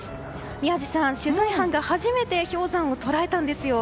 宮司さん、取材班が初めて氷山を捉えたんですよ。